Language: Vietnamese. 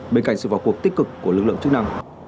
bên cạnh sự vào cuộc tích cực của lực lượng chức năng